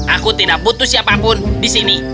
aku tidak butuh siapapun di sini